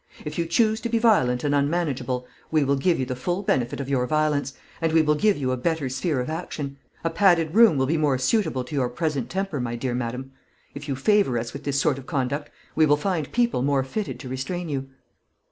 If you choose to be violent and unmanageable, we will give you the full benefit of your violence, and we will give you a better sphere of action. A padded room will be more suitable to your present temper, my dear madam. If you favour us with this sort of conduct, we will find people more fitted to restrain you."